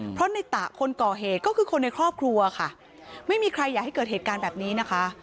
เพราะในตะคนก่อเหตุก็คือคนในครอบครัวค่ะไม่มีใครอยากให้เกิดเหตุการณ์แบบนี้นะคะ